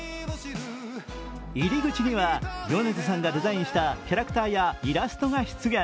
入り口には米津さんがデザインしたキャラクターやイラストが出現。